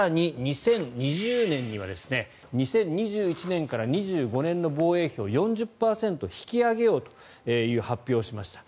更に、２０２０年には２０２１年から２０２５年の防衛費を４０％引き上げようという発表をしました。